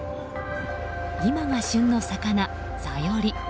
今が旬の魚、サヨリ。